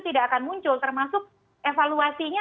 tidak akan muncul termasuk evaluasinya